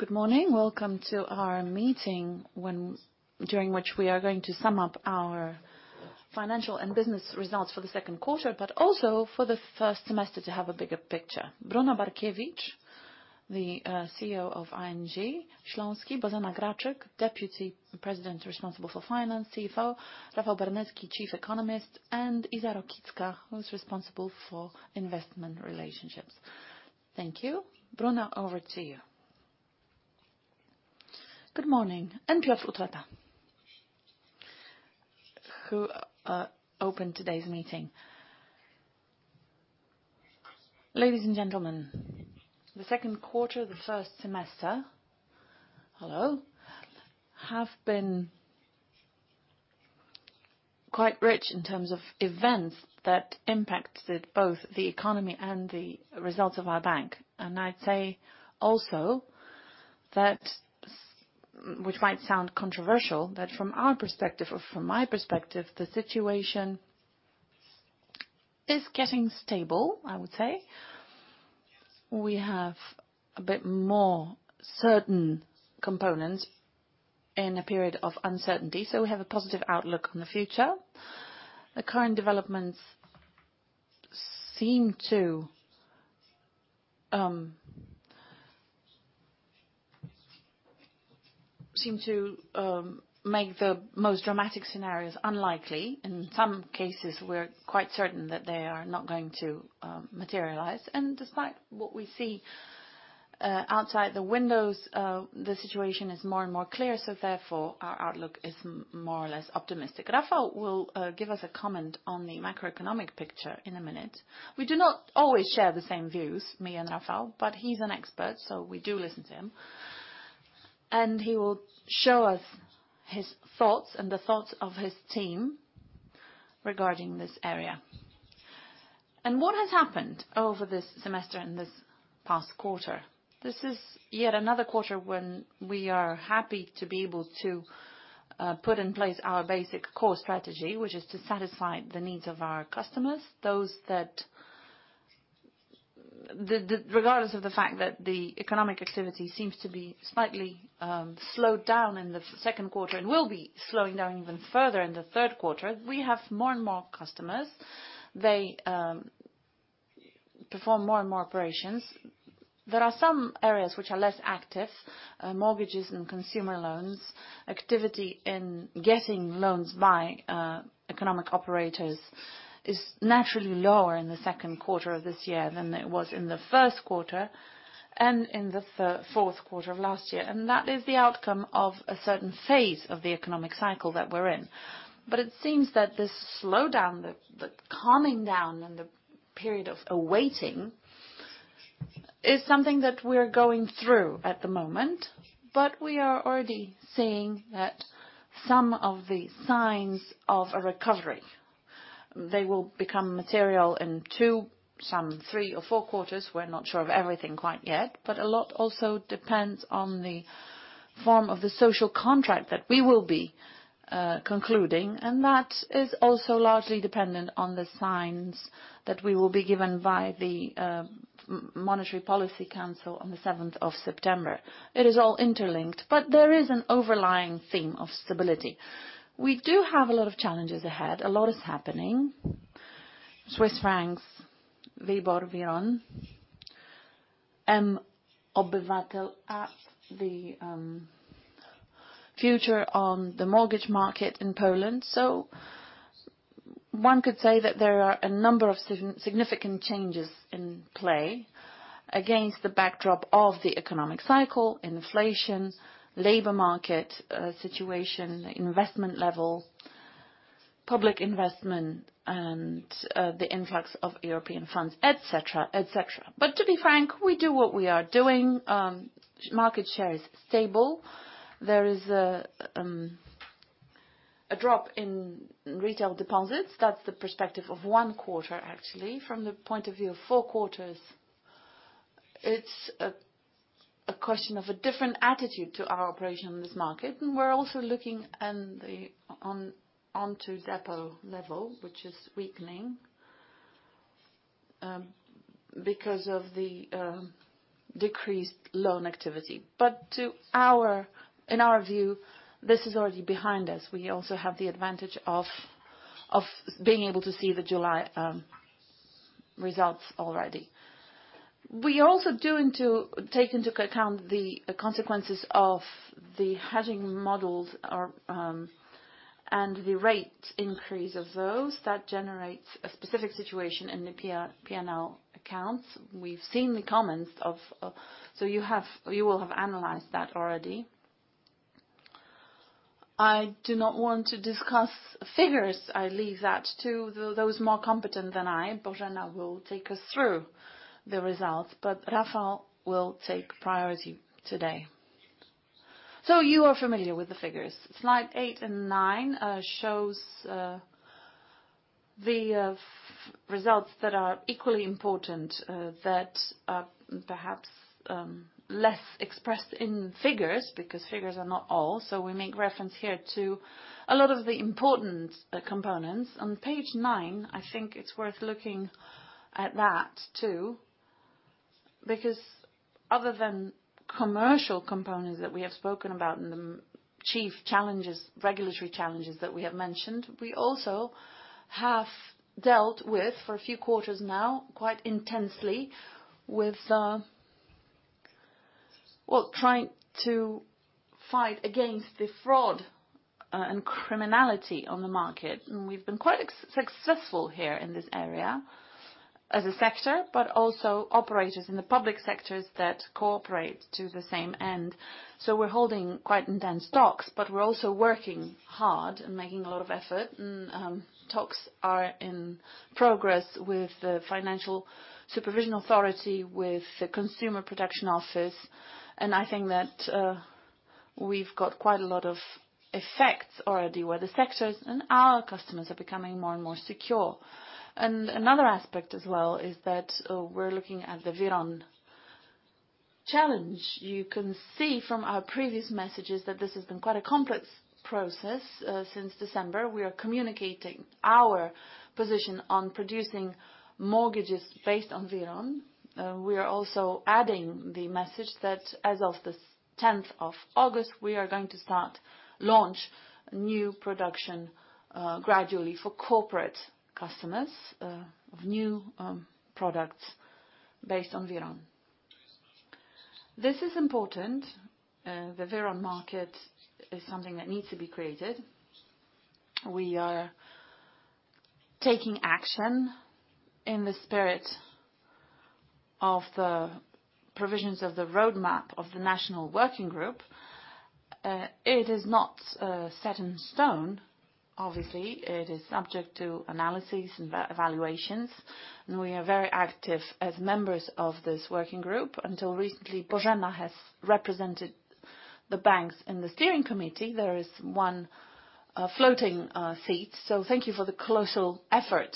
Good morning. Welcome to our meeting, during which we are going to sum up our financial and business results for the second quarter, also for the first semester to have a bigger picture. Brunon Bartkiewicz, the CEO of ING Bank Śląski, Bożena Graczyk, Deputy President responsible for finance, CFO, Rafał Benecki, Chief Economist, and Izabela Rokicka, who's responsible for investment relationships. Thank you. Brunon, over to you. Good morning, Piotr Utrata, who opened today's meeting. Ladies and gentlemen, the second quarter of the first semester, hello, have been quite rich in terms of events that impacted both the economy and the results of our bank. I'd say also that, which might sound controversial, that from our perspective or from my perspective, the situation is getting stable, I would say. We have a bit more certain components in a period of uncertainty, so we have a positive outlook on the future. The current developments seem to seem to make the most dramatic scenarios unlikely. In some cases, we're quite certain that they are not going to materialize. Despite what we see outside the windows, the situation is more and more clear, so therefore, our outlook is more or less optimistic. Rafał will give us a comment on the macroeconomic picture in a minute. We do not always share the same views, me and Rafał, but he's an expert, so we do listen to him, and he will show us his thoughts and the thoughts of his team regarding this area. What has happened over this semester and this past quarter? This is yet another quarter when we are happy to be able to put in place our basic core strategy, which is to satisfy the needs of our customers. Regardless of the fact that the economic activity seems to be slightly slowed down in the second quarter, and will be slowing down even further in the third quarter, we have more and more customers. They perform more and more operations. There are some areas which are less active, mortgages and consumer loans. Activity in getting loans by economic operators is naturally lower in the second quarter of this year than it was in the first quarter and in the fourth quarter of last year. That is the outcome of a certain phase of the economic cycle that we're in. It seems that this slowdown, the calming down and the period of awaiting, is something that we're going through at the moment, but we are already seeing that some of the signs of a recovery, they will become material in 2, some 3 or 4 quarters. We're not sure of everything quite yet, but a lot also depends on the form of the social contract that we will be concluding, and that is also largely dependent on the signs that we will be given by the Monetary Policy Council on the 7th of September. It is all interlinked, but there is an overlying theme of stability. We do have a lot of challenges ahead. A lot is happening. Swiss francs, WIBOR, WIRON, mObywatel app, the future on the mortgage market in Poland. One could say that there are a number of significant changes in play against the backdrop of the economic cycle, inflation, labor market situation, investment level, public investment, and the influx of European funds, et cetera, et cetera. To be frank, we do what we are doing. Market share is stable. There is a drop in retail deposits. That's the perspective of 1 quarter, actually. From the point of view of 4 quarters, it's a question of a different attitude to our operation in this market. We're also looking onto deposit level, which is weakening, because of the decreased loan activity. In our view, this is already behind us. We also have the advantage of being able to see the July results already. We are also doing to take into account the consequences of the hedging models are, and the rate increase of those that generates a specific situation in the P&L accounts. We've seen the comments of. You will have analyzed that already. I do not want to discuss figures. I leave that to those more competent than I. Bożena will take us through the results, but Rafał will take priority today. You are familiar with the figures. Slide 8 and 9 shows the of results that are equally important that are perhaps less expressed in figures, because figures are not all. We make reference here to a lot of the important components. On page nine, I think it's worth looking at that, too. Other than commercial components that we have spoken about and the chief challenges, regulatory challenges that we have mentioned, we also have dealt with, for a few quarters now, quite intensely, with, well, trying to fight against the fraud and criminality on the market. We've been quite successful here in this area as a sector, but also operators in the public sectors that cooperate to the same end. We're holding quite intense talks, but we're also working hard and making a lot of effort. Talks are in progress with the Financial Supervisory Authority, with the Consumer Protection Office, and I think that we've got quite a lot of effects already, where the sectors and our customers are becoming more and more secure. Another aspect as well, is that we're looking at the WIRON challenge. You can see from our previous messages that this has been quite a complex process since December. We are communicating our position on producing mortgages based on WIRON. We are also adding the message that as of the 10th of August, we are going to start launch new production gradually for corporate customers of new products based on WIRON. This is important. The WIRON market is something that needs to be created. We are taking action in the spirit of the provisions of the roadmap of the National Working Group. It is not set in stone. Obviously, it is subject to analysis and evaluations, and we are very active as members of this working group. Until recently, Bożena has represented the banks in the steering committee. There is one floating seat. Thank you for the colossal effort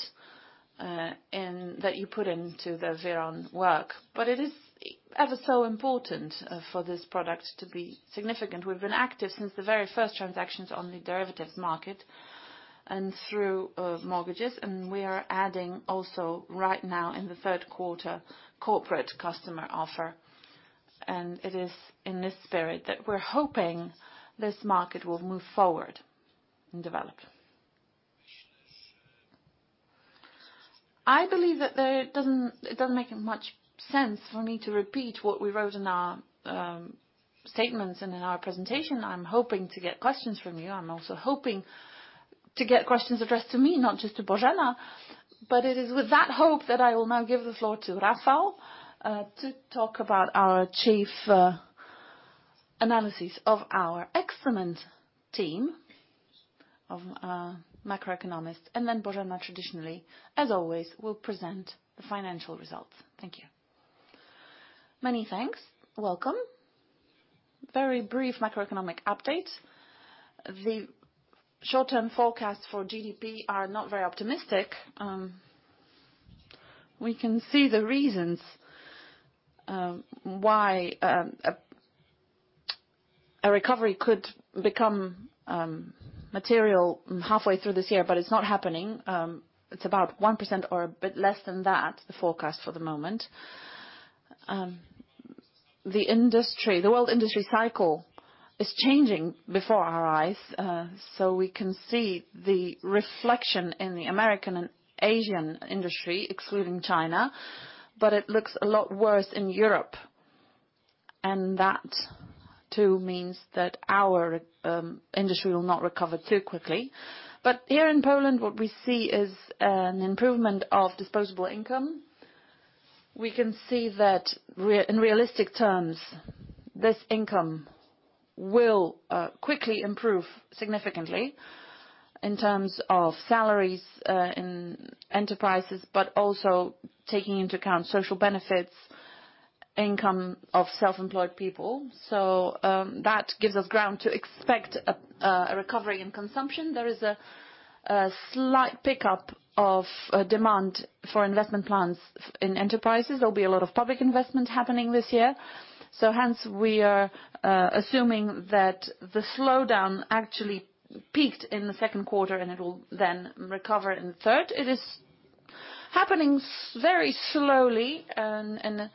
that you put into the WIRON work. It is ever so important for this product to be significant. We've been active since the very first transactions on the derivatives market and through mortgages, and we are adding also right now, in the third quarter, corporate customer offer. It is in this spirit that we're hoping this market will move forward and develop. I believe that it doesn't make much sense for me to repeat what we wrote in our statements and in our presentation. I'm hoping to get questions from you. I'm also hoping to get questions addressed to me, not just to Bożena. It is with that hope that I will now give the floor to Rafał, to talk about our chief analysis of our excellent team of macroeconomists. Then Bożena, traditionally, as always, will present the financial results. Thank you. Many thanks. Welcome. Very brief macroeconomic update. The short-term forecasts for GDP are not very optimistic. We can see the reasons why a recovery could become material halfway through this year, but it's not happening. It's about 1% or a bit less than that, the forecast for the moment. The industry, the world industry cycle is changing before our eyes, so we can see the reflection in the American and Asian industry, excluding China, but it looks a lot worse in Europe. That, too, means that our industry will not recover too quickly. Here in Poland, what we see is an improvement of disposable income. We can see that in realistic terms, this income will quickly improve significantly in terms of salaries in enterprises, but also taking into account social benefits, income of self-employed people. That gives us ground to expect a recovery in consumption. There is a slight pickup of demand for investment plans in enterprises. There'll be a lot of public investment happening this year, so hence, we are assuming that the slowdown actually peaked in the second quarter, and it will then recover in the third. It is happening very slowly, and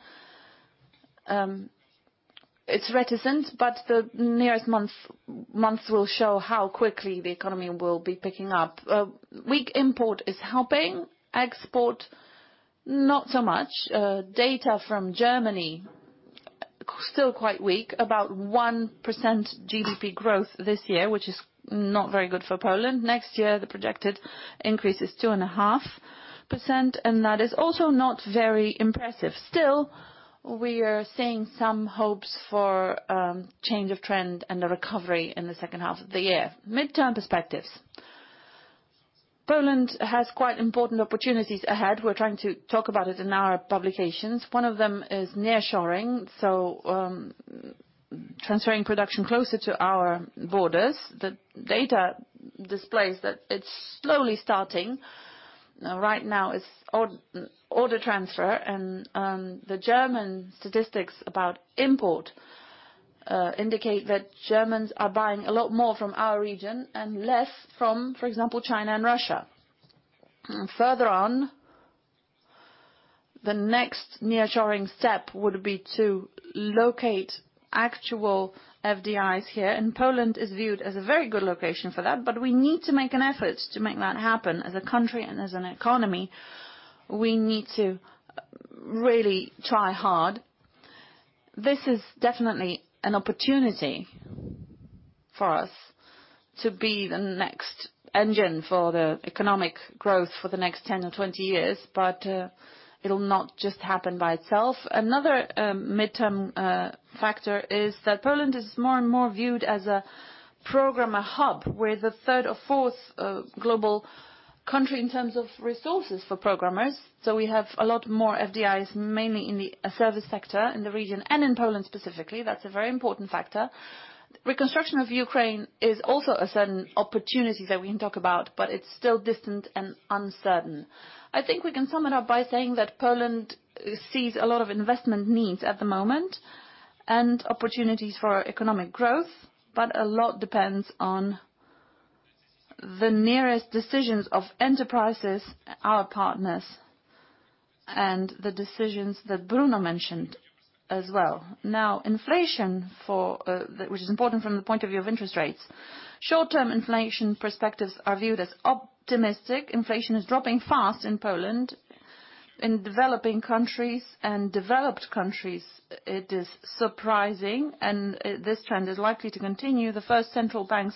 it's reticent, the nearest months will show how quickly the economy will be picking up. Weak import is helping. Export, not so much. Data from Germany, still quite weak, about 1% GDP growth this year, which is not very good for Poland. Next year, the projected increase is 2.5%, and that is also not very impressive. Still, we are seeing some hopes for change of trend and a recovery in the second half of the year. Midterm perspectives. Poland has quite important opportunities ahead. We're trying to talk about it in our publications. One of them is nearshoring, so transferring production closer to our borders. The data displays that it's slowly starting. Right now, it's order transfer, and the German statistics about import indicate that Germans are buying a lot more from our region and less from, for example, China and Russia.... Further on, the next nearshoring step would be to locate actual FDIs here, and Poland is viewed as a very good location for that, but we need to make an effort to make that happen as a country and as an economy. We need to really try hard. This is definitely an opportunity for us to be the next engine for the economic growth for the next 10 or 20 years, but it'll not just happen by itself. Another midterm factor is that Poland is more and more viewed as a programmer hub, we're the third or fourth global country in terms of resources for programmers. We have a lot more FDIs, mainly in the service sector, in the region and in Poland specifically. That's a very important factor. Reconstruction of Ukraine is also a certain opportunity that we can talk about, but it's still distant and uncertain. I think we can sum it up by saying that Poland sees a lot of investment needs at the moment and opportunities for economic growth, but a lot depends on the nearest decisions of enterprises, our partners, and the decisions that Brunon mentioned as well. Now, inflation for, which is important from the point of view of interest rates. Short-term inflation perspectives are viewed as optimistic. Inflation is dropping fast in Poland. In developing countries and developed countries, it is surprising, and this trend is likely to continue. The first central banks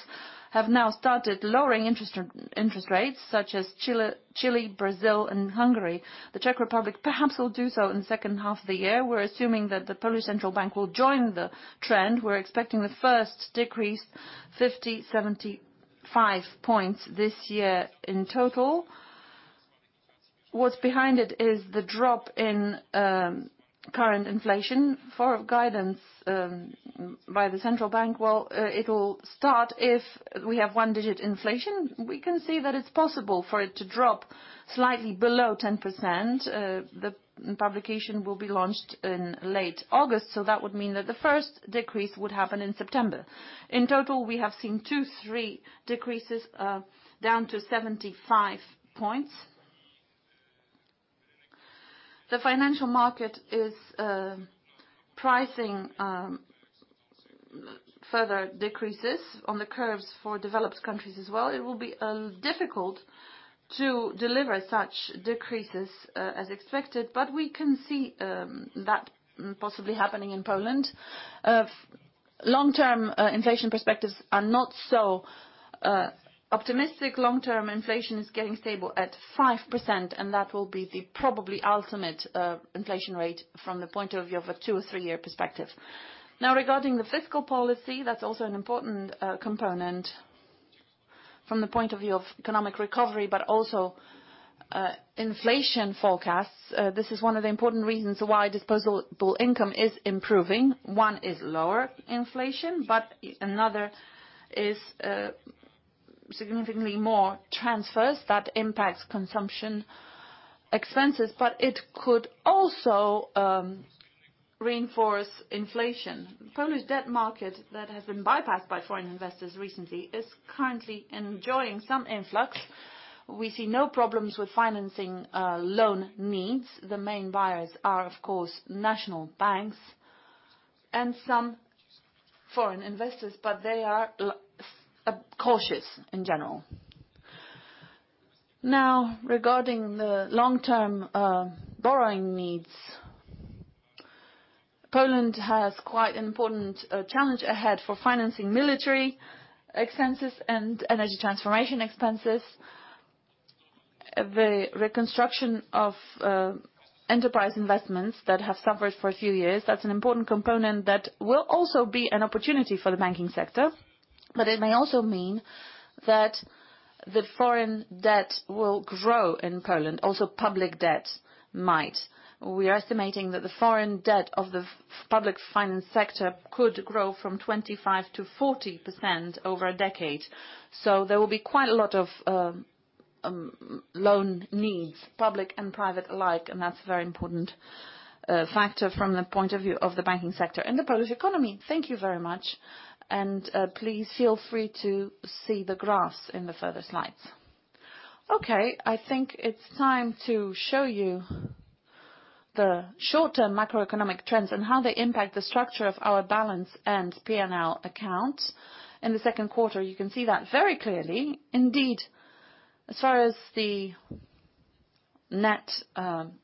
have now started lowering interest, interest rates such as Chile, Chile, Brazil, and Hungary. The Czech Republic perhaps will do so in the second half of the year. We're assuming that the Polish central bank will join the trend. We're expecting the first decrease 50-75 basis points this year in total. What's behind it is the drop in current inflation. For guidance by the central bank, well, it'll start if we have one-digit inflation. We can see that it's possible for it to drop slightly below 10%. The publication will be launched in late August, so that would mean that the first decrease would happen in September. In total, we have seen two, three decreases down to 75 basis points. The financial market is pricing further decreases on the curves for developed countries as well. It will be difficult to deliver such decreases as expected, but we can see that possibly happening in Poland. Long-term inflation perspectives are not so optimistic. Long-term inflation is getting stable at 5%, and that will be the probably ultimate inflation rate from the point of view of a 2 or 3-year perspective. Now, regarding the fiscal policy, that's also an important component from the point of view of economic recovery, but also, inflation forecasts. This is one of the important reasons why disposable income is improving. One is lower inflation, but another is significantly more transfers that impacts consumption expenses, but it could also reinforce inflation. Polish debt market that has been bypassed by foreign investors recently, is currently enjoying some influx. We see no problems with financing loan needs. The main buyers are, of course, national banks and some foreign investors, but they are cautious in general. Now, regarding the long-term borrowing needs, Poland has quite an important challenge ahead for financing military expenses and energy transformation expenses. The reconstruction of enterprise investments that have suffered for a few years, that's an important component that will also be an opportunity for the banking sector, but it may also mean that the foreign debt will grow in Poland, also, public debt might. We are estimating that the foreign debt of the public finance sector could grow from 25% to 40% over a decade. There will be quite a lot of loan needs, public and private alike, and that's a very important factor from the point of view of the banking sector and the Polish economy. Thank you very much, please feel free to see the graphs in the further slides. Okay, I think it's time to show you the short-term macroeconomic trends and how they impact the structure of our balance and P&L accounts. In the second quarter, you can see that very clearly. Indeed, as far as the net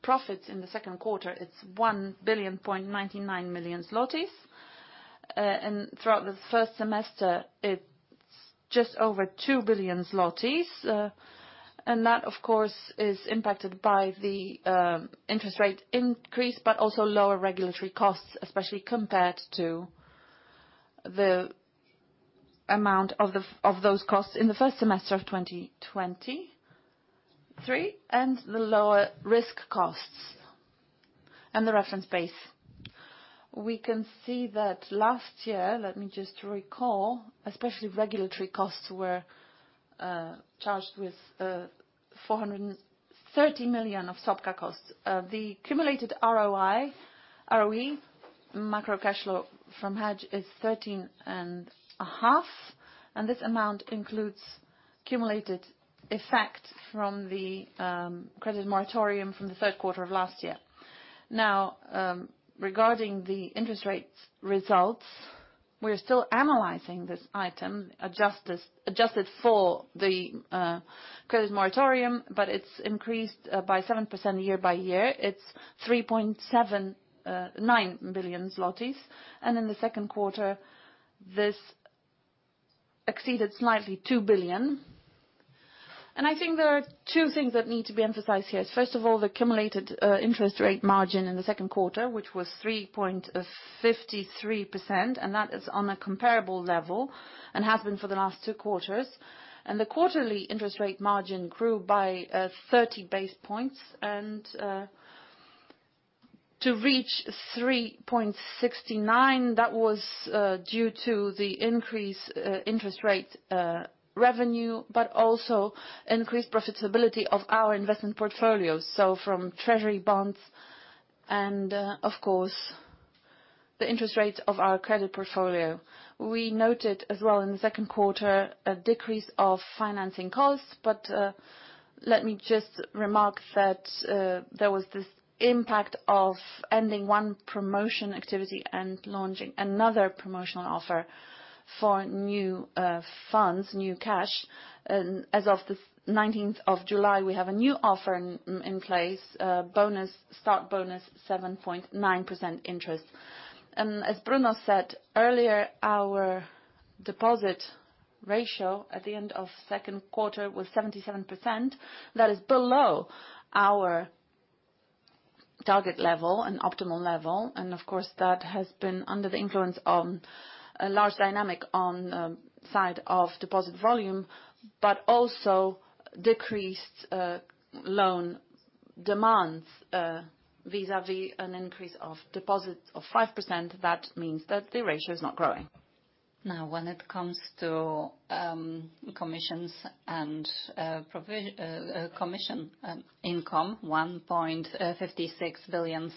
profits in the second quarter, it's 1,099 million zlotys. Throughout the first semester, it's just over 2 billion zlotys. That, of course, is impacted by the interest rate increase, but also lower regulatory costs, especially compared to the amount of those costs in the first semester of 2023, and the lower risk costs and the reference base. We can see that last year, let me just recall, especially regulatory costs were charged with four hundred and-... 30 million of SOPKA costs. The cumulated ROE macro cash flow from hedge is 13.5%, and this amount includes cumulated effect from the credit moratorium from the third quarter of last year. Regarding the interest rates results, we're still analyzing this item, adjusted, adjusted for the credit moratorium, but it's increased by 7% year-over-year. It's 3.79 billion zlotys, and in the second quarter, this exceeded slightly 2 billion. I think there are two things that need to be emphasized here. First of all, the cumulated interest rate margin in the second quarter, which was 3.53%, and that is on a comparable level and has been for the last two quarters. The quarterly interest rate margin grew by 30 basis points to reach 3.69%, that was due to the increased interest rate revenue, but also increased profitability of our investment portfolio. From treasury bonds and, of course, the interest rates of our credit portfolio. We noted as well in the second quarter, a decrease of financing costs, but let me just remark that there was this impact of ending one promotion activity and launching another promotional offer for new funds, new cash. As of the 19th of July, we have a new offer in place, bonus, start bonus 7.9% interest. As Bruno said earlier, our deposit ratio at the end of second quarter was 77%. That is below our target level and optimal level, of course, that has been under the influence of a large dynamic on side of deposit volume, but also decreased loan demands vis-a-vis an increase of deposits of 5%. That means that the ratio is not growing. Now, when it comes to commissions and commission income, 1.56 billion,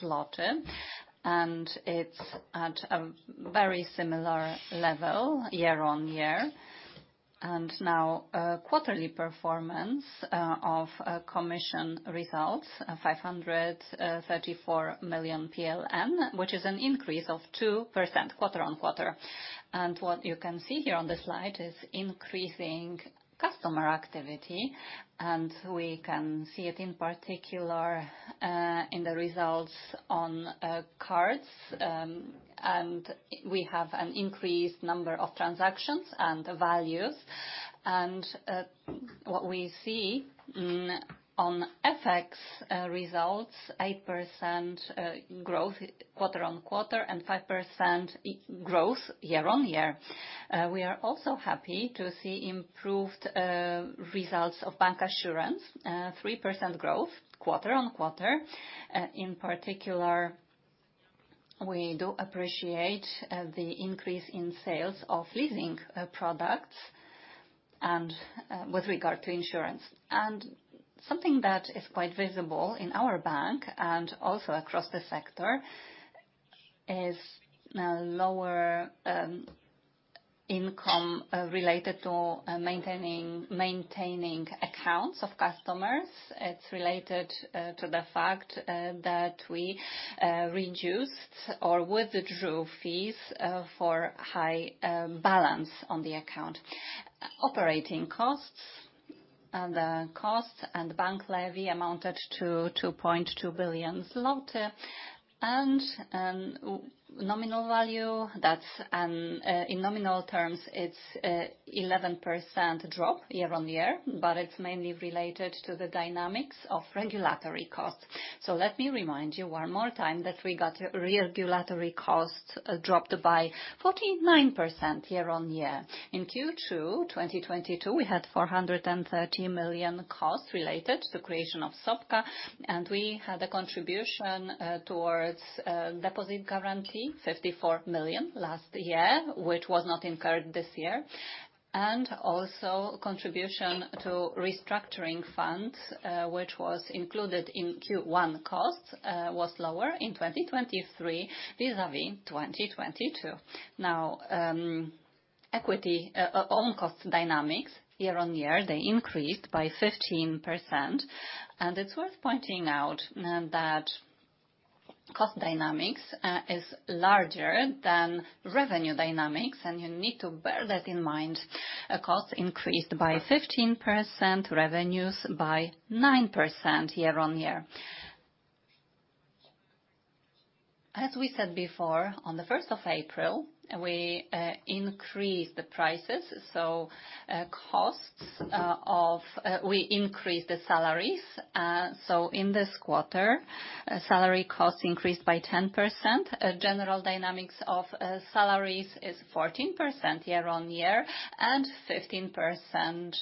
it's at a very similar level year-on-year. Now, quarterly performance of commission results, 534 million PLN, which is an increase of 2% quarter-on-quarter. What you can see here on the slide is increasing customer activity, and we can see it in particular in the results on cards. We have an increased number of transactions and values, what we see on FX results, 8% growth quarter-on-quarter and 5% growth year-on-year. We are also happy to see improved results of bancassurance, 3% growth quarter-on-quarter. In particular, we do appreciate the increase in sales of leasing products and with regard to insurance. Something that is quite visible in our bank and also across the sector is a lower income related to maintaining accounts of customers. It's related to the fact that we reduced or withdrew fees for high balance on the account. Operating costs and costs and bank levy amounted to złoty 2.2 billion. Nominal value, that's in nominal terms, it's a 11% drop year-on-year, but it's mainly related to the dynamics of regulatory costs. Let me remind you one more time that we got regulatory costs dropped by 49% year-on-year. In Q2 2022, we had 430 million costs related to the creation of SOPKA, and we had a contribution towards deposit guarantee, 54 million last year, which was not incurred this year. Also contribution to restructuring funds, which was included in Q1 costs, was lower in 2023 vis-a-vis 2022. Now, equity on cost dynamics, year-on-year, they increased by 15%. It's worth pointing out that cost dynamics is larger than revenue dynamics, and you need to bear that in mind. Costs increased by 15%, revenues by 9% year-on-year. As we said before, on April 1, we increased the prices, so costs, we increased the salaries. So in this quarter, salary costs increased by 10%. General dynamics of salaries is 14% year-on-year and 15%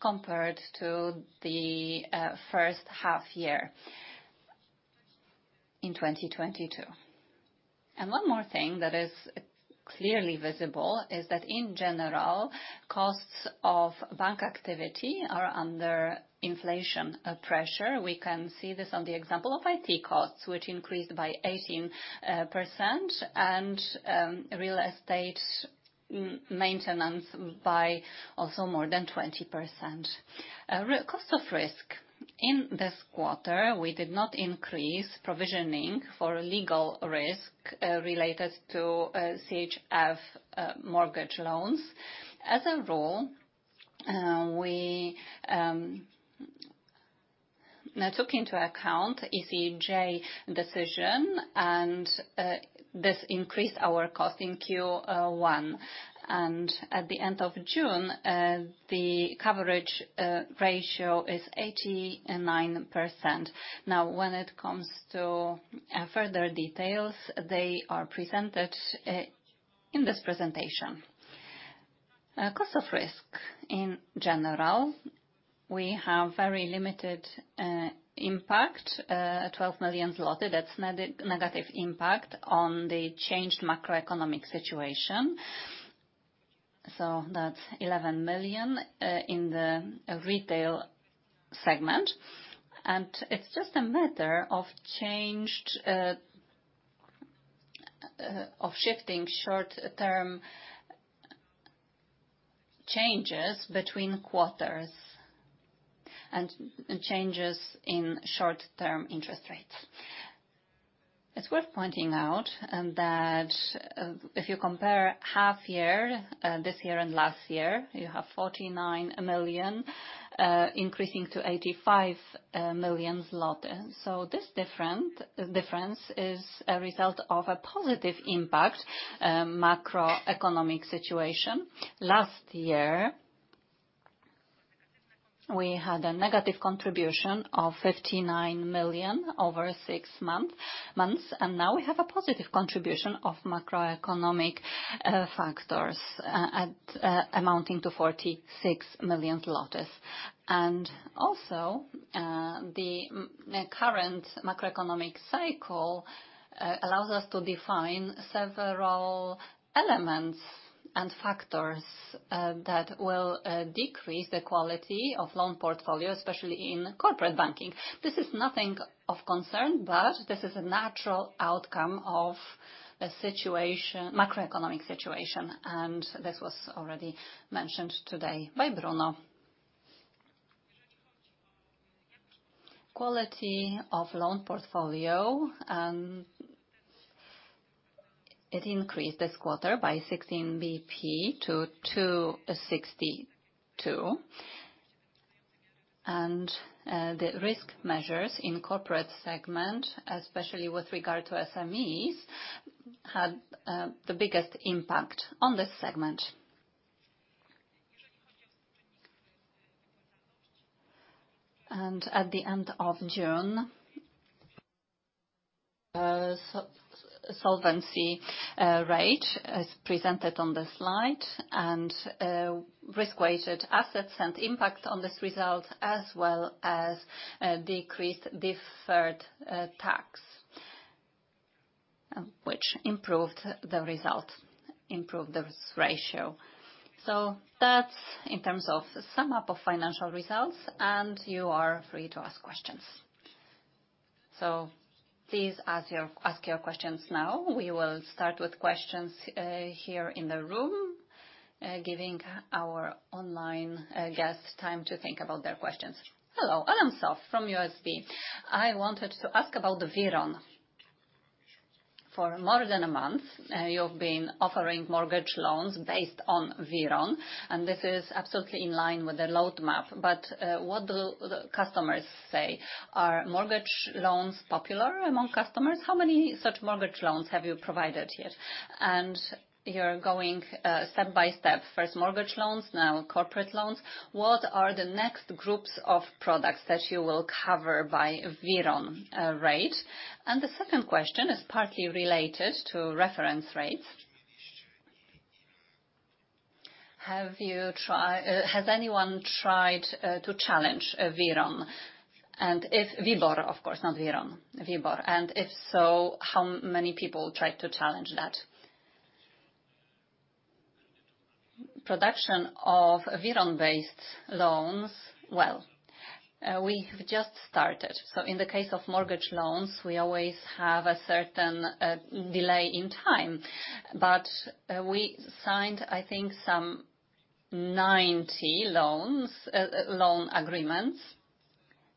compared to the first half year in 2022. One more thing that is clearly visible is that in general, costs of bank activity are under inflation pressure. We can see this on the example of IT costs, which increased by 18%, and real estate maintenance by also more than 20%. Cost of risk. In this quarter, we did not increase provisioning for legal risk related to CHF mortgage loans. As a rule, we now took into account European Court of Justice decision, this increased our cost in Q1. At the end of June, the coverage ratio is 89%. Now, when it comes to further details, they are presented in this presentation. Cost of risk. In general, we have very limited impact, 12 million zloty. That's negative impact on the changed macroeconomic situation. That's 11 million in the retail segment, and it's just a matter of changed of shifting short-term changes between quarters and changes in short-term interest rates. It's worth pointing out that if you compare half year, this year and last year, you have 49 million increasing to 85 million zloty. This difference is a result of a positive impact, macroeconomic situation. Last year, we had a negative contribution of 59 million over six months, and now we have a positive contribution of macroeconomic factors, amounting to 46 million. Also, the current macroeconomic cycle allows us to define several elements and factors that will decrease the quality of loan portfolio, especially in corporate banking. This is nothing of concern, but this is a natural outcome of the situation- macroeconomic situation, and this was already mentioned today by Bruno. Quality of loan portfolio, it increased this quarter by 16 BP to 2.62. The risk measures in corporate segment, especially with regard to SMEs, had the biggest impact on this segment. At the end of June, solvency rate is presented on the slide, and risk-weighted assets and impact on this result, as well as decreased deferred tax, which improved the result, improved this ratio. That's in terms of sum up of financial results, and you are free to ask questions. Please ask your, ask your questions now. We will start with questions here in the room, giving our online guests time to think about their questions. Hello, Adam Sowa from UBS. I wanted to ask about the WIRON. For more than a month, you've been offering mortgage loans based on WIRON, this is absolutely in line with the roadmap, what do the customers say? Are mortgage loans popular among customers? How many such mortgage loans have you provided yet? You're going, step by step, first mortgage loans, now corporate loans. What are the next groups of products that you will cover by WIRON rate? The second question is partly related to reference rates. Have you, has anyone tried to challenge a WIRON? If WIBOR, of course, not WIRON, WIBOR, and if so, how many people tried to challenge that? Production of WIRON-based loans, well, we have just started. In the case of mortgage loans, we always have a certain delay in time. We signed, I think, some 90 loans, loan agreements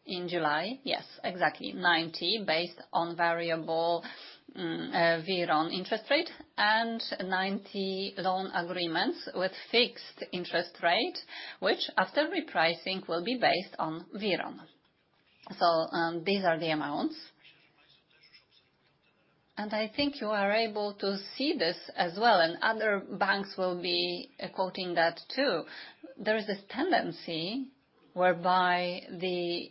in July. Yes, exactly, 90, based on variable WIRON interest rate, and 90 loan agreements with fixed interest rate, which, after repricing, will be based on WIRON. These are the amounts. I think you are able to see this as well, and other banks will be quoting that, too. There is this tendency whereby the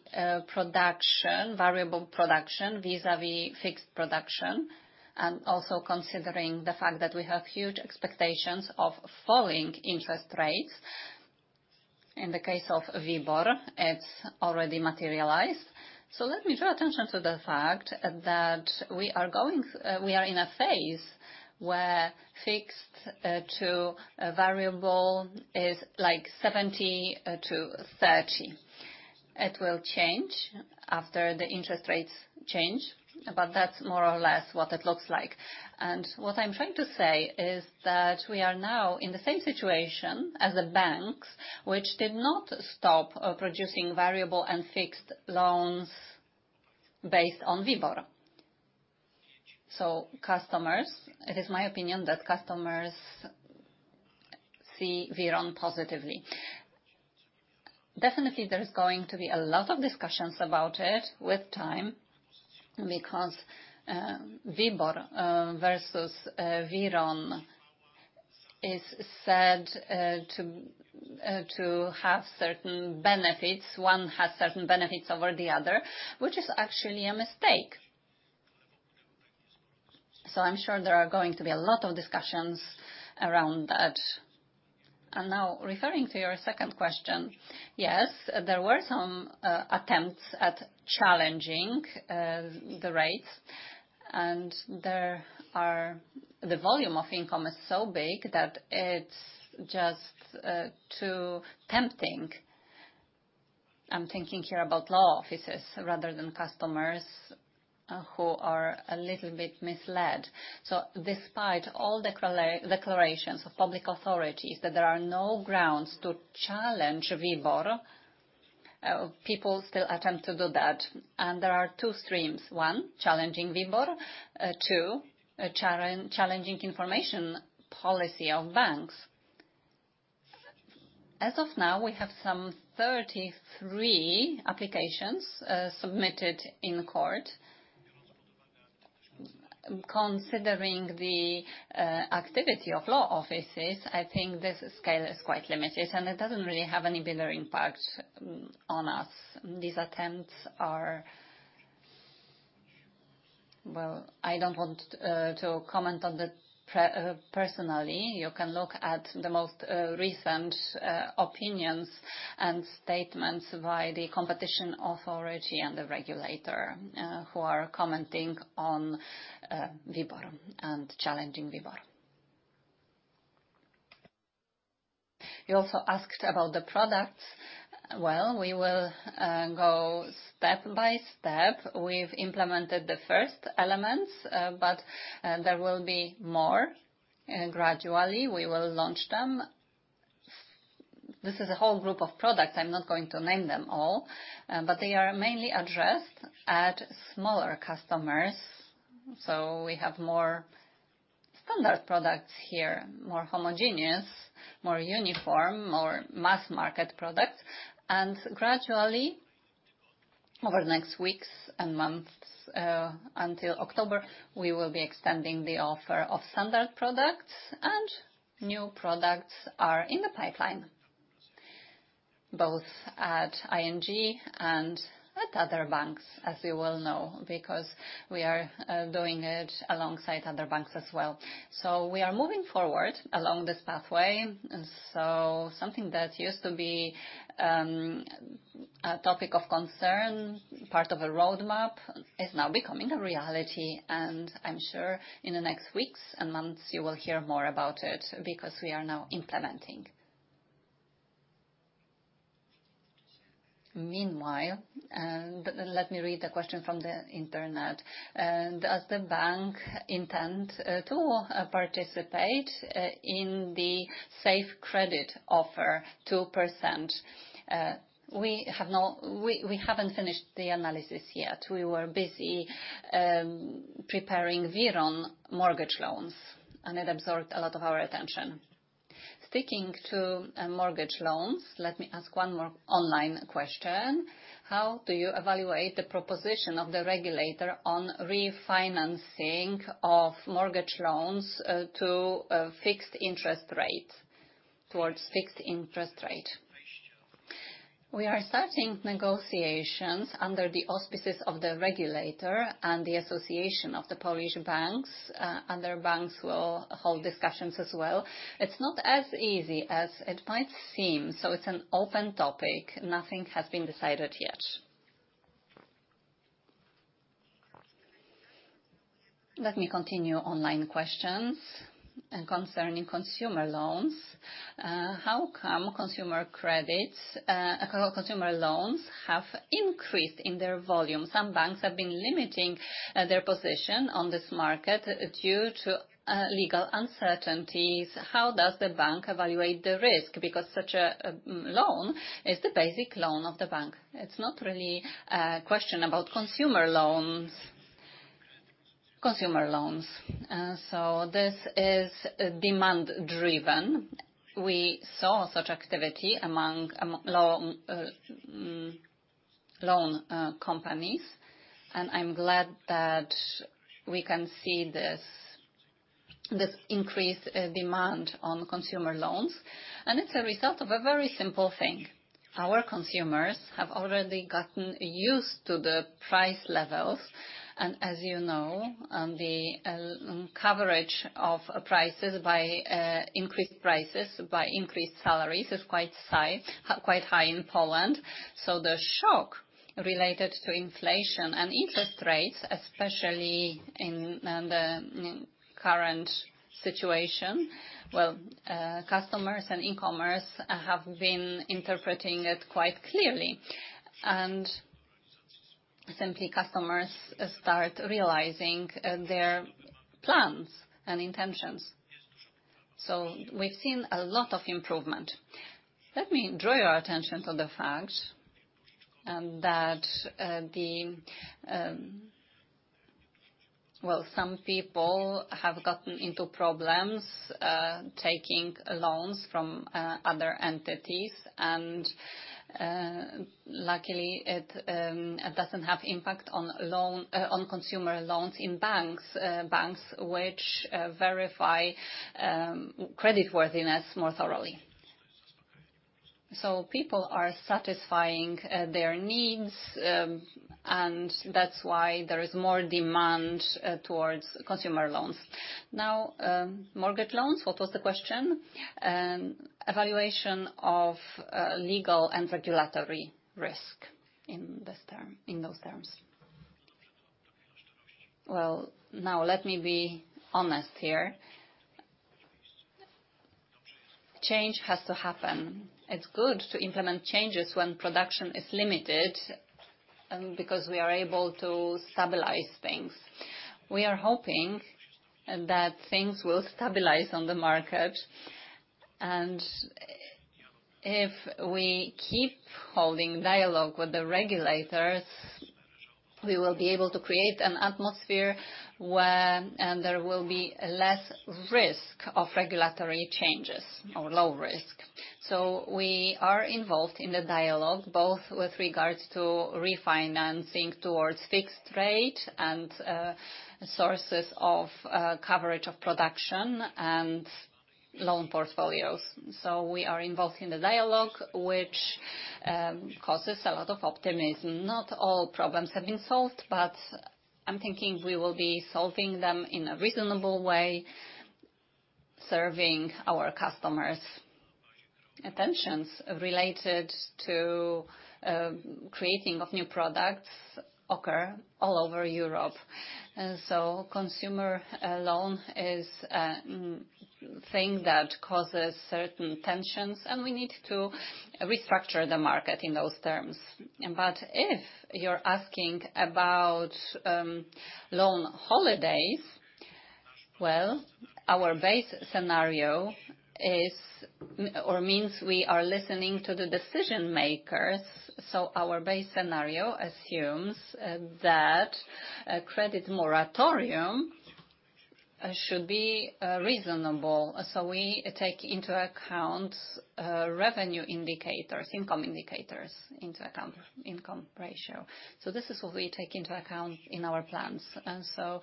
production, variable production, vis-à-vis fixed production, and also considering the fact that we have huge expectations of falling interest rates. In the case of WIBOR, it's already materialized. Let me draw attention to the fact that we are in a phase where fixed to a variable is like 70/30. It will change after the interest rates change, but that's more or less what it looks like. What I'm trying to say is that we are now in the same situation as the banks, which did not stop producing variable and fixed loans based on WIBOR. Customers, it is my opinion that customers see WIRON positively. Definitely, there is going to be a lot of discussions about it with time, because WIBOR versus WIRON is said to have certain benefits. One has certain benefits over the other, which is actually a mistake. I'm sure there are going to be a lot of discussions around that. Now, referring to your second question, yes, there were some attempts at challenging the rates, and there are – the volume of income is so big that it's just too tempting. I'm thinking here about law offices, rather than customers, who are a little bit misled. Despite all the declarations of public authorities that there are no grounds to challenge WIBOR, people still attempt to do that. There are two streams: one, challenging WIBOR, two, challenging information policy of banks. As of now, we have some 33 applications submitted in court. Considering the activity of law offices, I think this scale is quite limited, and it doesn't really have any bigger impact on us. These attempts are... Well, I don't want to comment on that personally. You can look at the most recent opinions and statements by the competition authority and the regulator, who are commenting on WIBOR and challenging WIBOR. You also asked about the products. Well, we will go step by step. We've implemented the first elements, there will be more, and gradually we will launch them. This is a whole group of products. I'm not going to name them all, they are mainly addressed at smaller customers. We have more standard products here, more homogeneous, more uniform, more mass-market products. Gradually, over the next weeks and months, until October, we will be extending the offer of standard products, and new products are in the pipeline, both at ING and at other banks, as you well know, because we are doing it alongside other banks as well. We are moving forward along this pathway. Something that used to be a topic of concern, part of a roadmap, is now becoming a reality. I'm sure in the next weeks and months, you will hear more about it, because we are now implementing. Meanwhile, let me read the question from the internet. Does the bank intend to participate in the Safe 2% Credit offer? We haven't finished the analysis yet. We were busy preparing WIRON mortgage loans, and it absorbed a lot of our attention. Sticking to mortgage loans, let me ask one more online question: How do you evaluate the proposition of the regulator on refinancing of mortgage loans to a fixed interest rate-- towards fixed interest rate? We are starting negotiations under the auspices of the regulator and the Polish Bank Association. Other banks will hold discussions as well. It's not as easy as it might seem, so it's an open topic. Nothing has been decided yet. Let me continue online questions. Concerning consumer loans, how come consumer credits, how come consumer loans have increased in their volume? Some banks have been limiting their position on this market due to legal uncertainties. How does the bank evaluate the risk? Because such a, a loan is the basic loan of the bank. It's not really a question about consumer loans. Consumer loans. This is demand-driven. We saw such activity among loan companies, I'm glad that we can see this, this increased demand on consumer loans. It's a result of a very simple thing. Our consumers have already gotten used to the price levels. As you know, the coverage of prices by increased prices by increased salaries is quite high in Poland. The shock related to inflation and interest rates, especially in the current situation, well, customers and e-commerce have been interpreting it quite clearly, simply customers start realizing their plans and intentions. We've seen a lot of improvement. Let me draw your attention to the fact, that, the, well, some people have gotten into problems, taking loans from, other entities. Luckily, it, it doesn't have impact on loan, on consumer loans in banks, banks which, verify, creditworthiness more thoroughly. People are satisfying, their needs, and that's why there is more demand, towards consumer loans. Now, mortgage loans, what was the question? Evaluation of, legal and regulatory risk in this term, in those terms. Well, now, let me be honest here. Change has to happen. It's good to implement changes when production is limited, because we are able to stabilize things. We are hoping that things will stabilize on the market, and if we keep holding dialogue with the regulators, we will be able to create an atmosphere where there will be less risk of regulatory changes or low risk. We are involved in the dialogue, both with regards to refinancing towards fixed rate and sources of coverage of production and loan portfolios. We are involved in the dialogue, which causes a lot of optimism. Not all problems have been solved, but I'm thinking we will be solving them in a reasonable way, serving our customers. Tensions related to creating of new products occur all over Europe, and consumer loan is a thing that causes certain tensions, and we need to restructure the market in those terms. If you're asking about loan holidays, well, our base scenario is-- or means we are listening to the decision-makers. Our base scenario assumes that a credit moratorium should be reasonable. We take into account revenue indicators, income indicators into account, income ratio. This is what we take into account in our plans, and so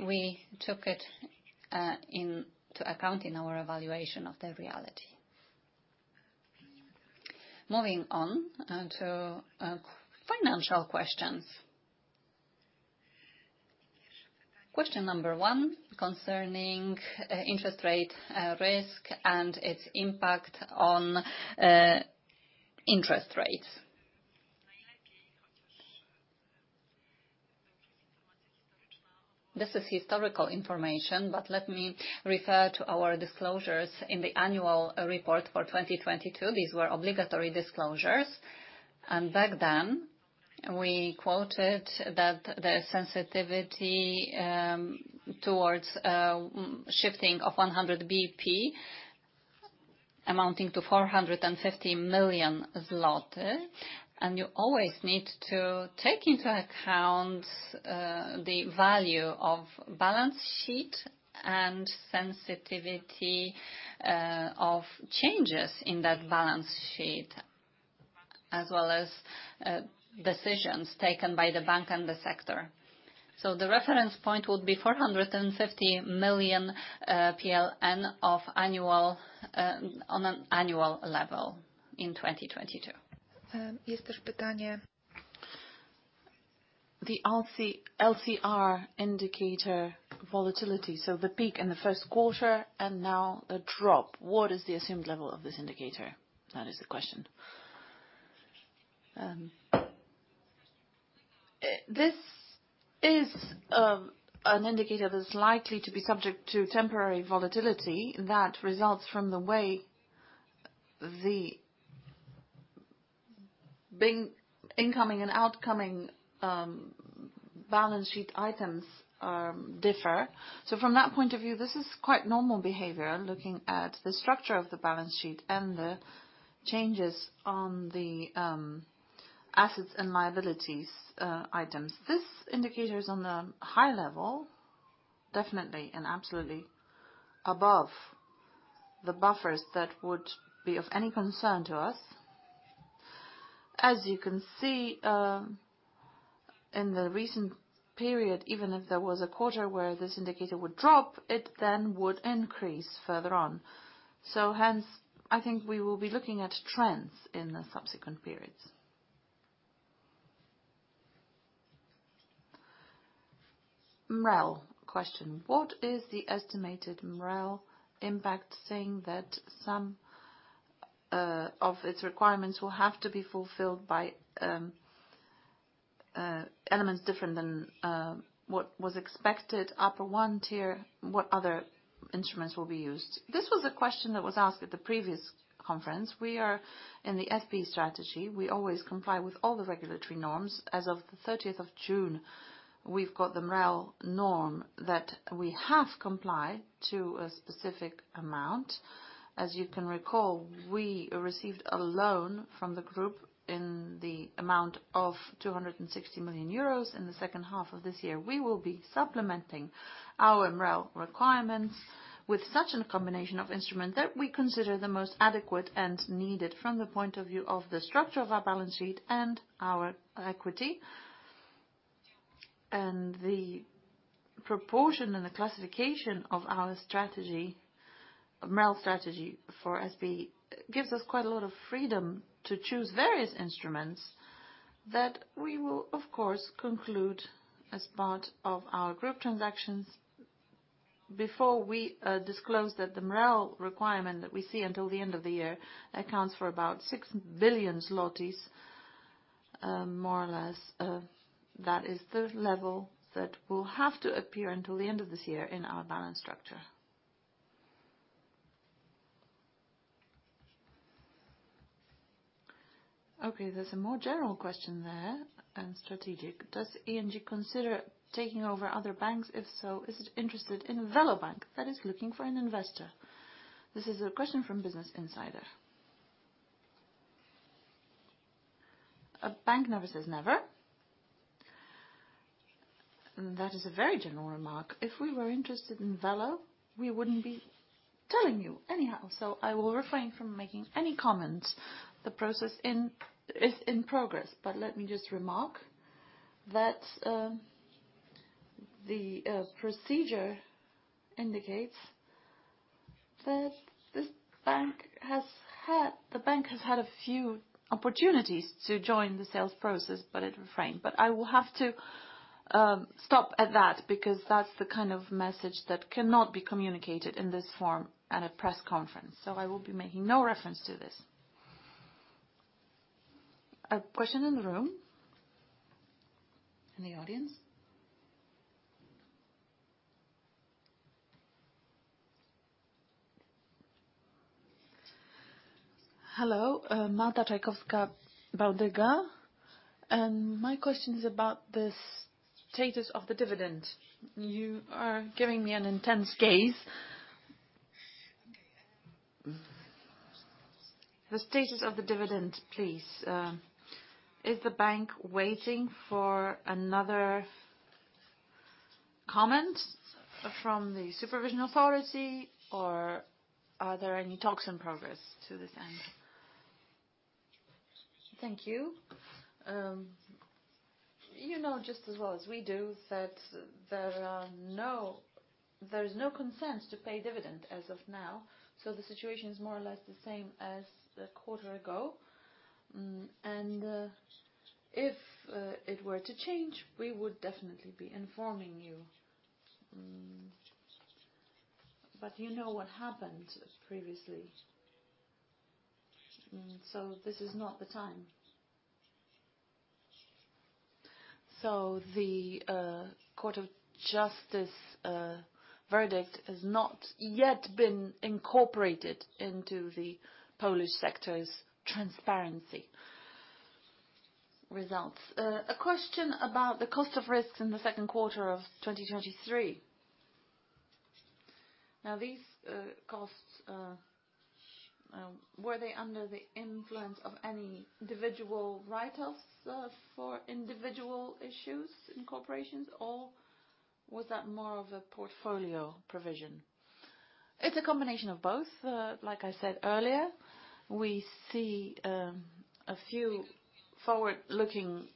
we took it into account in our evaluation of the reality. Moving on to financial questions. Question number 1, concerning interest rate risk and its impact on interest rates. This is historical information, but let me refer to our disclosures in the annual report for 2022. These were obligatory disclosures, and back then, we quoted that the sensitivity towards shifting of 100 basis points, amounting to 450 million zloty. You always need to take into account, the value of balance sheet and sensitivity, of changes in that balance sheet, as well as, decisions taken by the bank and the sector. The reference point would be 450 million PLN of annual, on an annual level in 2022. The LCR, LCR indicator volatility, so the peak in the first quarter and now a drop. What is the assumed level of this indicator? That is the question. This is an indicator that's likely to be subject to temporary volatility that results from the way the incoming and outcoming balance sheet items differ. From that point of view, this is quite normal behavior, looking at the structure of the balance sheet and the changes on the assets and liabilities items. This indicator is on the high level, definitely and absolutely above the buffers that would be of any concern to us. As you can see, in the recent period, even if there was a quarter where this indicator would drop, it then would increase further on. Hence, I think we will be looking at trends in the subsequent periods. MREL question: What is the estimated MREL impact, seeing that some of its requirements will have to be fulfilled by elements different than what was expected? Upper one tier, what other instruments will be used? This was a question that was asked at the previous conference. We are in the FB strategy. We always comply with all the regulatory norms. As of the 30th of June, we've got the MREL norm that we have complied to a specific amount. As you can recall, we received a loan from the group in the amount of 260 million euros. In the second half of this year, we will be supplementing our MREL requirements with such a combination of instrument that we consider the most adequate and needed from the point of view of the structure of our balance sheet and our equity. The proportion and the classification of our strategy, MREL strategy for SB, gives us quite a lot of freedom to choose various instruments that we will of course, conclude as part of our group transactions. Before we disclose that the MREL requirement that we see until the end of the year accounts for about 6 billion zlotys, more or less. That is the level that will have to appear until the end of this year in our balance structure. Okay, there's a more general question there, and strategic. Does ING consider taking over other banks? If so, is it interested in VeloBank that is looking for an investor? This is a question from Business Insider. A bank never says never. That is a very general remark. If we were interested in Velo, we wouldn't be telling you anyhow, so I will refrain from making any comments. The process is in progress, but let me just remark that the procedure indicates that the bank has had a few opportunities to join the sales process, but it refrained. I will have to stop at that, because that's the kind of message that cannot be communicated in this forum at a press conference, so I will be making no reference to this. A question in the room? In the audience. Hello, Marta Dmowska-Bałdyga, and my question is about the status of the dividend. You are giving me an intense gaze. The status of the dividend, please. Is the bank waiting for another comment from the supervisory authority, or are there any talks in progress to this end? Thank you. You know, just as well as we do, that there are no-- there is no consent to pay dividend as of now, so the situation is more or less the same as a quarter ago. If it were to change, we would definitely be informing you. You know what happened previously, so this is not the time. The Court of Justice verdict has not yet been incorporated into the Polish sector's transparency results. A question about the cost of risks in the second quarter of 2023. Now, these costs were they under the influence of any individual write-offs for individual issues in corporations, or was that more of a portfolio provision? It's a combination of both. Like I said earlier, we see a few forward-looking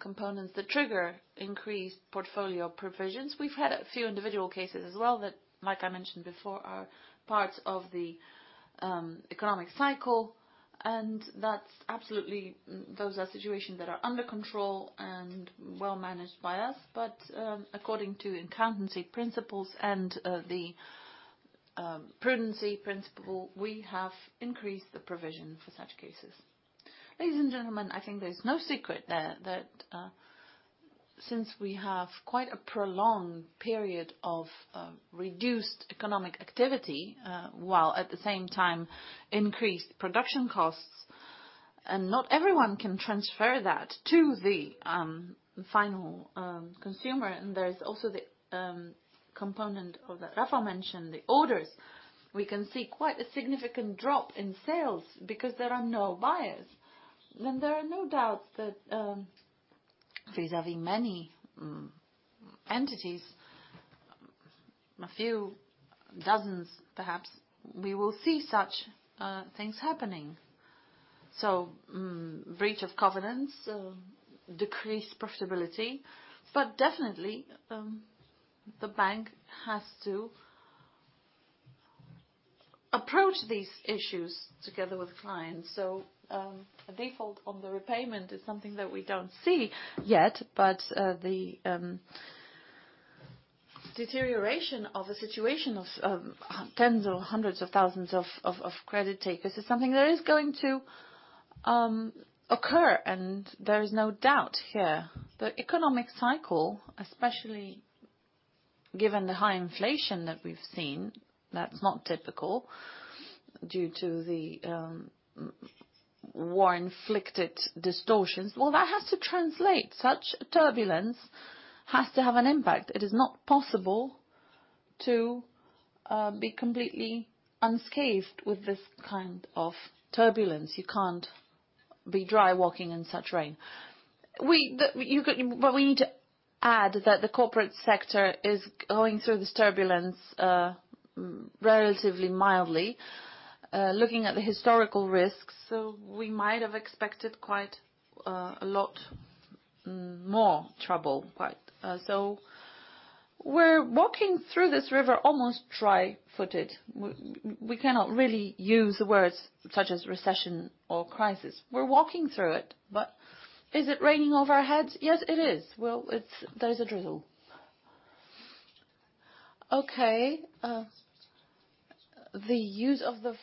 components that trigger increased portfolio provisions. We've had a few individual cases as well, that, like I mentioned before, are parts of the economic cycle, and that's absolutely, those are situations that are under control and well managed by us. According to the accountancy principles and the prudency principle, we have increased the provision for such cases. Ladies and gentlemen, I think there's no secret there that, since we have quite a prolonged period of reduced economic activity, while at the same time increased production costs, and not everyone can transfer that to the final consumer, and there is also the component of that Rafał mentioned, the orders. We can see quite a significant drop in sales because there are no buyers. There are no doubts that, vis-à-vis many entities, a few dozens, perhaps, we will see such things happening. Breach of covenants, decreased profitability, but definitely, the bank has to approach these issues together with clients. A default on the repayment is something that we don't see yet, but the deterioration of a situation of tens or hundreds of thousands of credit takers is something that is going to occur, and there is no doubt here. The economic cycle, especially given the high inflation that we've seen, that's not typical, due to the war-inflicted distortions. That has to translate. Such turbulence has to have an impact. It is not possible to be completely unscathed with this kind of turbulence. You can't be dry walking in such rain. We need to add that the corporate sector is going through this turbulence relatively mildly, looking at the historical risks, so we might have expected quite a lot more trouble, quite. We're walking through this river almost dry footed. We cannot really use the words such as recession or crisis. We're walking through it, but is it raining over our heads? Yes, it is. Well, there is a drizzle. Okay, the use of the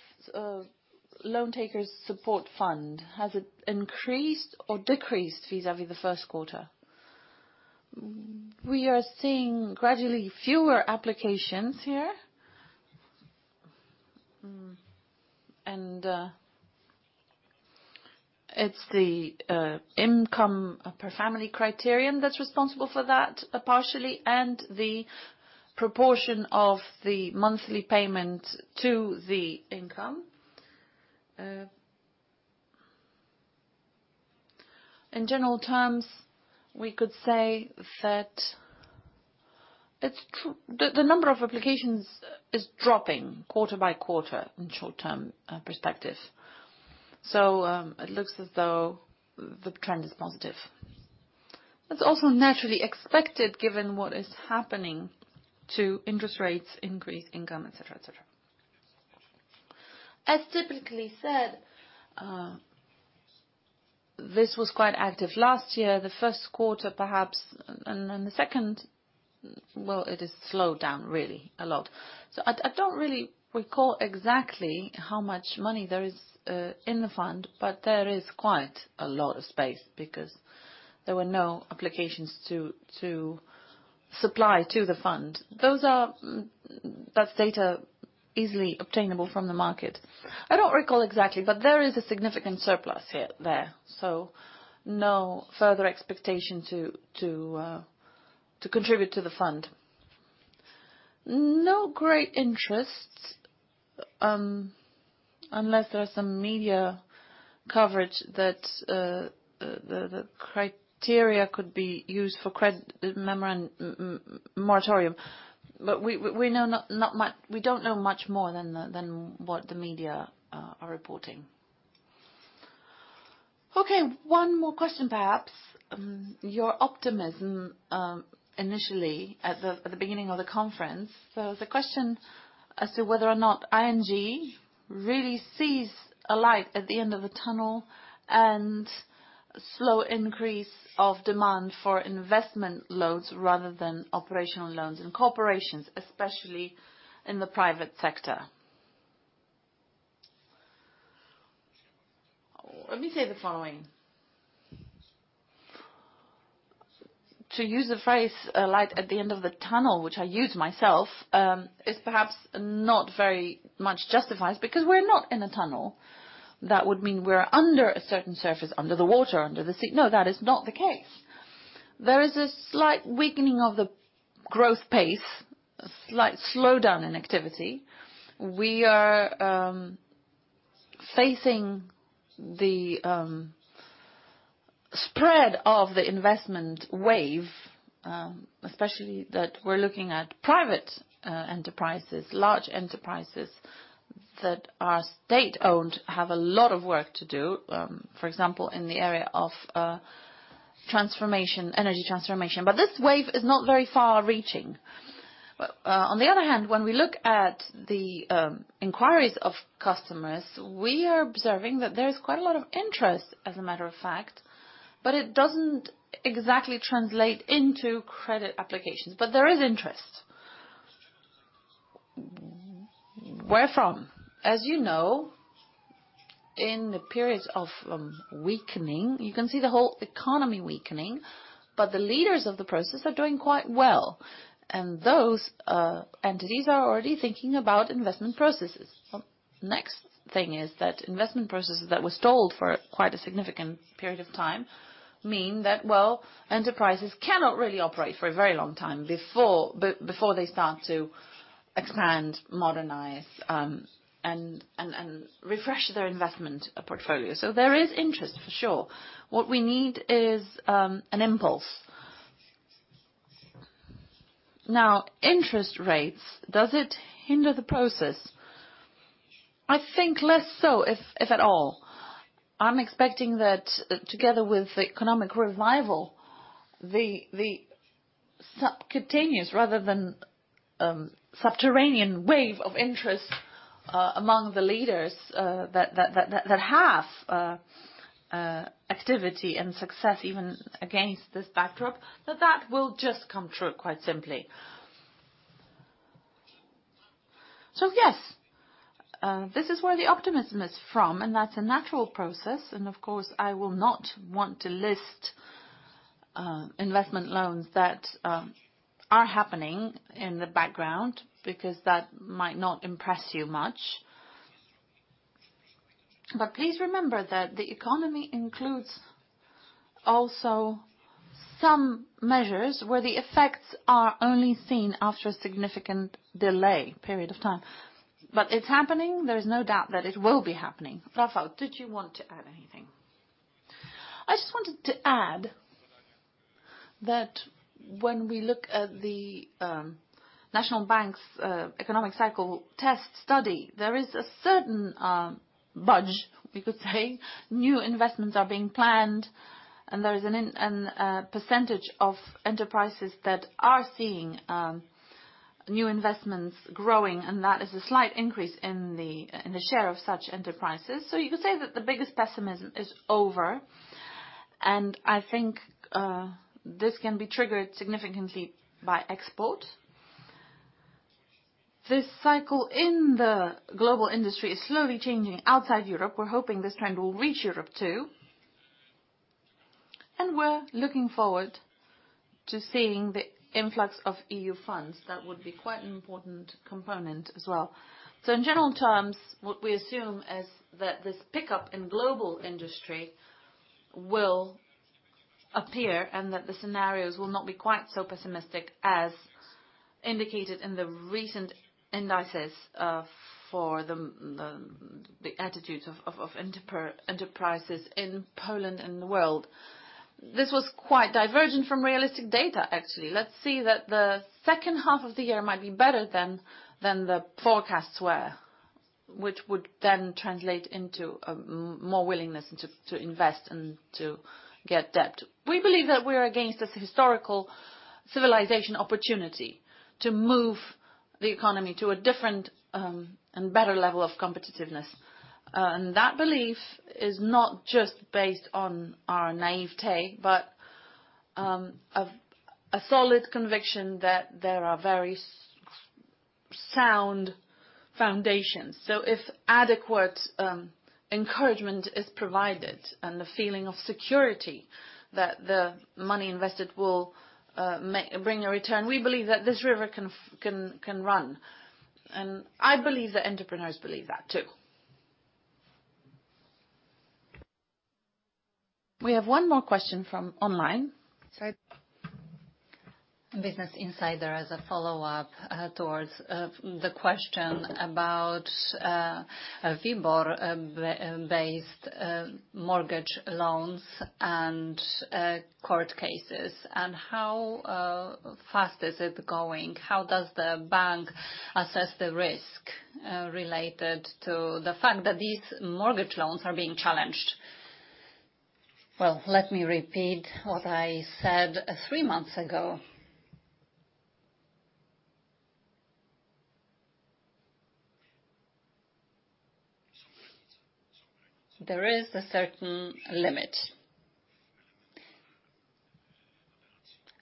loan takers support fund, has it increased or decreased vis-à-vis the first quarter? We are seeing gradually fewer applications here. It's the income per family criterion that's responsible for that, partially, and the proportion of the monthly payment to the income. In general terms, we could say that it's the number of applications is dropping quarter by quarter in short-term perspective. It looks as though the trend is positive. It's also naturally expected, given what is happening to interest rates, increased income, et cetera, et cetera. As typically said, this was quite active last year, the first quarter, perhaps, and then the second, well, it has slowed down really a lot. I, I don't really recall exactly how much money there is in the fund, but there is quite a lot of space because there were no applications to, to supply to the fund. Those are... That's data easily obtainable from the market. I don't recall exactly, but there is a significant surplus here, there, so no further expectation to, to contribute to the fund. No great interest, unless there are some media coverage that the criteria could be used for credit moratorium. We don't know much more than what the media are reporting. Okay, one more question, perhaps. Your optimism initially at the beginning of the conference. The question as to whether or not ING really sees a light at the end of the tunnel, and slow increase of demand for investment loans rather than operational loans in corporations, especially in the private sector. Let me say the following: To use the phrase, a light at the end of the tunnel, which I use myself, is perhaps not very much justified, because we're not in a tunnel. That would mean we're under a certain surface, under the water, under the sea. No, that is not the case. There is a slight weakening of the growth pace, a slight slowdown in activity. We are facing the spread of the investment wave, especially that we're looking at private enterprises. Large enterprises that are state-owned, have a lot of work to do, for example, in the area of transformation, energy transformation, but this wave is not very far-reaching. On the other hand, when we look at the inquiries of customers, we are observing that there is quite a lot of interest, as a matter of fact, but it doesn't exactly translate into credit applications. There is interest. Where from? As you know, in the periods of weakening, you can see the whole economy weakening, but the leaders of the process are doing quite well, and those entities are already thinking about investment processes. Next thing is that investment processes that were stalled for quite a significant period of time mean that, well, enterprises cannot really operate for a very long time before, before they start to expand, modernize, and, and, and refresh their investment portfolio. There is interest, for sure. What we need is an impulse. Now, interest rates, does it hinder the process? I think less so, if, if at all. I'm expecting that together with the economic revival, the, the subcutaneous rather than subterranean wave of interest among the leaders that have activity and success, even against this backdrop, that that will just come true, quite simply. Yes, this is where the optimism is from, and that's a natural process. Of course, I will not want to list investment loans that are happening in the background, because that might not impress you much. Please remember that the economy includes also some measures where the effects are only seen after a significant delay, period of time. It's happening. There is no doubt that it will be happening. Rafał, did you want to add anything? I just wanted to add that when we look at the, national bank's economic cycle test study, there is a certain, budge, we could say. New investments are being planned. There is an percentage of enterprises that are seeing, new investments growing. That is a slight increase in the, in the share of such enterprises. You could say that the biggest pessimism is over. I think, this can be triggered significantly by export. This cycle in the global industry is slowly changing outside Europe. We're hoping this trend will reach Europe, too. We're looking forward to seeing the influx of EU funds. That would be quite an important component as well. In general terms, what we assume is that this pickup in global industry will appear, and that the scenarios will not be quite so pessimistic as indicated in the recent indices for the attitudes of enterprises in Poland and the world. This was quite divergent from realistic data, actually. Let's see that the second half of the year might be better than the forecasts were, which would then translate into more willingness to invest and to get debt. We believe that we're against this historical civilization opportunity to move the economy to a different and better level of competitiveness. That belief is not just based on our naivete, but a solid conviction that there are very sound foundations. If adequate encouragement is provided, and the feeling of security that the money invested will bring a return, we believe that this river can run, and I believe that entrepreneurs believe that, too. We have one more question from online. Business Insider, as a follow-up, towards the question about a WIBOR-based mortgage loans and court cases, and how fast is it going? How does the bank assess the risk related to the fact that these mortgage loans are being challenged? Well, let me repeat what I said 3 months ago. There is a certain limit.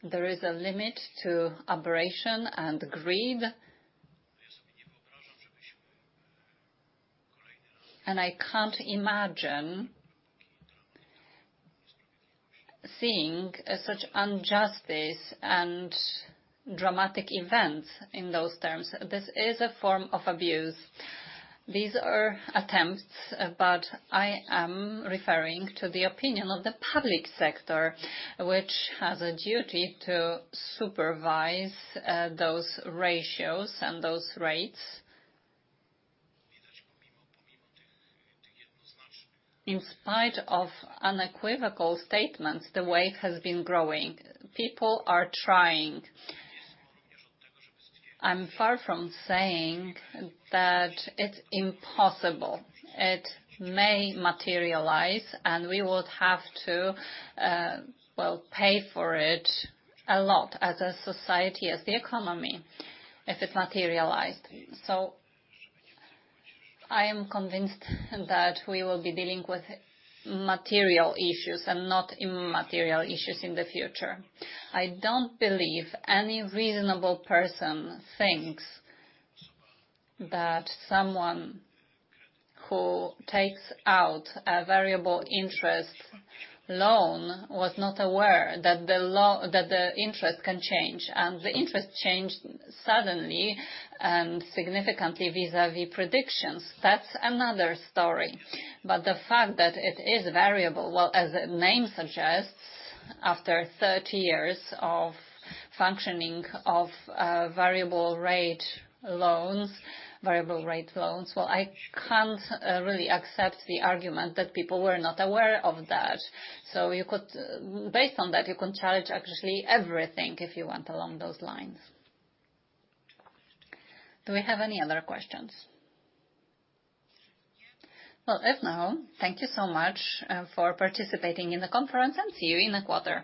There is a limit to aberration and greed. I can't imagine seeing such injustice and dramatic events in those terms. This is a form of abuse. These are attempts, but I am referring to the opinion of the public sector, which has a duty to supervise those ratios and those rates. In spite of unequivocal statements, the wave has been growing. People are trying. I'm far from saying that it's impossible. It may materialize, and we would have to, well, pay for it a lot as a society, as the economy, if it materialized. I am convinced that we will be dealing with material issues and not immaterial issues in the future. I don't believe any reasonable person thinks that someone who takes out a variable interest loan was not aware that the interest can change, and the interest changed suddenly and significantly vis-à-vis predictions. That's another story. The fact that it is variable, well, as the name suggests, after 30 years of functioning of, variable rate loans, variable rate loans, well, I can't really accept the argument that people were not aware of that. based on that, you could challenge actually everything, if you went along those lines. Do we have any other questions? Well, if not, thank you so much for participating in the conference, and see you in a quarter.